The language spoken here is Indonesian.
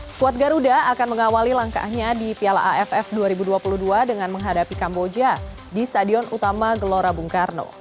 skuad garuda akan mengawali langkahnya di piala aff dua ribu dua puluh dua dengan menghadapi kamboja di stadion utama gelora bung karno